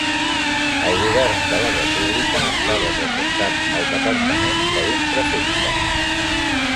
El govern de la república està representat al departament per un prefecte.